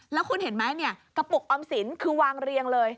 แล้วคุณเห็นไหมเนี่ยกระปุกออมสินคือวางเรียงเลย